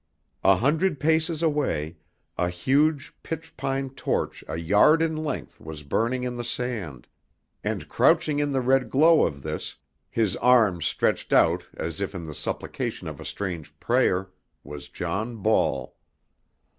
A hundred paces away a huge pitch pine torch a yard in length was burning in the sand, and crouching in the red glow of this, his arms stretched out as if in the supplication of a strange prayer, was John Ball!